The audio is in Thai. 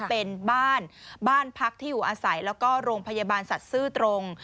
เป็นบ้านบ้านพักที่อยู่อาศัยแล้วก็โรงพยาบาลสัตว์ซื่อตรง